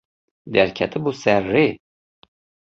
Derketibû ser rê.